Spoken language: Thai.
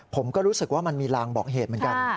ผมก็รู้สึกว่ามันมีรางบอกเหตุเหมือนกัน